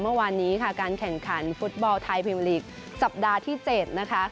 เมื่อวานนี้ค่ะการแข่งขันฟุตบอลไทยพิมลีกสัปดาห์ที่๗นะคะ